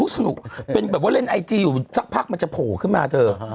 สนุกเป็นแบบว่าเล่นไอจีอยู่สักพักมันจะโผล่ขึ้นมาเธอ